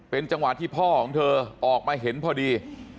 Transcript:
จังหวะที่พ่อของเธอออกมาเห็นพอดี